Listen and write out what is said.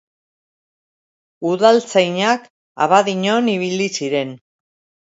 Udaltzainak Abadiñon ibili ziren.